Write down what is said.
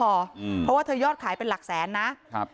เพราะว่าเธอยอดขายเป็นหลักแสนนะครับ